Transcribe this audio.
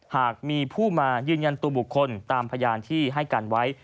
หากมีผู้มายืนยันตัวบุคคลตามพยานที่ให้การไว้